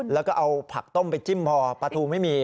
แล้วก็เอาผักต้มไปจิ้มพอปลาทูไม่มี